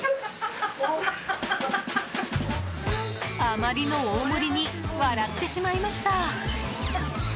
あまりの大盛りに笑ってしまいました。